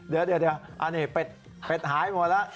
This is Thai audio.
เดี๋ยวเป็ดหายหมดแล้ว